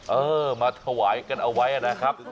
เออมาถวายกันเอาไว้นะครับ